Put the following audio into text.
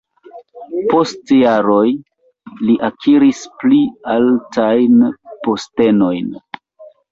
Post jaroj li akiris pli altajn postenojn.